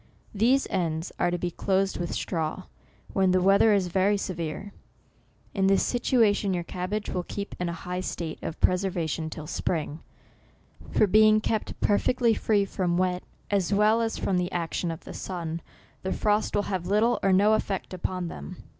These ends are to be closed with straw, when the weather is very severe. In this situation your cabbage will keep in a high state of preserva tion till spring ; for being kept perfectly free from wet, as well as from the action of the sun, the frost will have little or no effect upon them.